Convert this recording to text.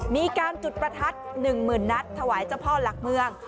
มีการจุดประทัด๑๐๐๐นัดถวายเจ้าพ่อหลักเมือง